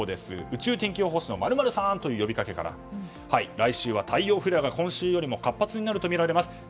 宇宙天気予報士の○○さん！という呼びかけから来週は太陽フレアが今週よりも活発になるとみられます。